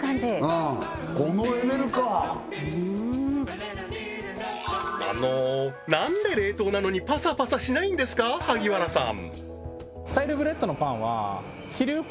うんこのレベルかあの何で冷凍なのにパサパサしないんですか萩原さん？